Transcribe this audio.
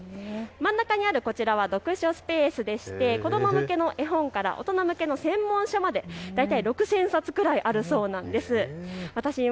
真ん中にあるこちらは読書スペースでして子ども向けの絵本から大人向けの専門書まで大体６０００冊くらいあるそうなんです。